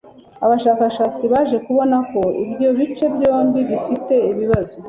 abashakashatsi baje kubona ko ibyo bice byombi bifite ibibazo